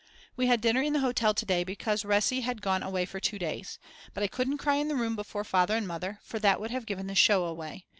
We had dinner in the hotel to day because Resi had gone away for 2 days. But I couldn't cry in the room before Father and Mother for that would have given the show away.